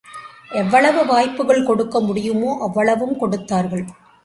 எவ்வளவு வாய்ப்புகள் கொடுக்க முடியுமோ அவ்வளவும் கொடுத்தார்கள்.